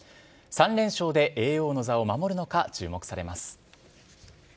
３連勝で叡王の座を守るのか、注目されます。